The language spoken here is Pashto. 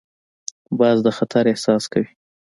باز د خطر احساس کوي